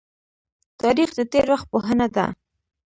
تاریخ د تیر وخت پوهنه ده